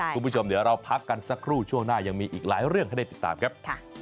คุณผู้ชมเดี๋ยวเราพักกันสักครู่ช่วงหน้ายังมีอีกหลายเรื่องให้ได้ติดตามครับ